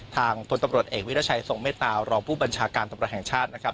พลตำรวจเอกวิรัชัยทรงเมตตารองผู้บัญชาการตำรวจแห่งชาตินะครับ